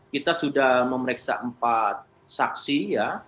kita sudah memeriksa empat saksi ya